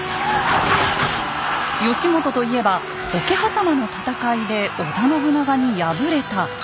義元と言えば桶狭間の戦いで織田信長に敗れた「ダメ武将」。